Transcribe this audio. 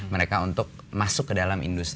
mereka untuk masuk ke dalam industri